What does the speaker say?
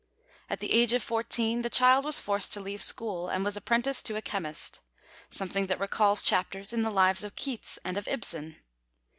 At the age of fourteen, the child was forced to leave school, and was apprenticed to a chemist something that recalls chapters in the lives of Keats and of Ibsen.